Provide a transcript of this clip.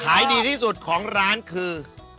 ขายดีที่สุดของร้านคือ